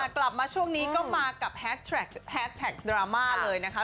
กลับมาช่วงนี้ก็มากับแฮสแท็กดราม่าเลยนะคะ